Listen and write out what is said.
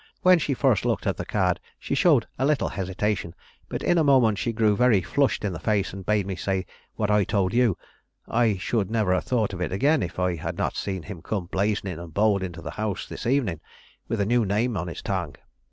When she first looked at the card, she showed a little hesitation; but in a moment she grew very flushed in the face, and bade me say what I told you. I should never have thought of it again if I had not seen him come blazoning and bold into the house this evening, with a new name on his tongue.